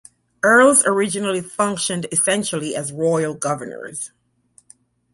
Earls originally functioned essentially as royal governors.